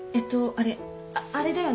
あれあれだよね？